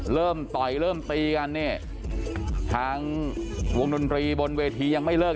ต่อยเริ่มตีกันเนี่ยทางวงดนตรีบนเวทียังไม่เลิก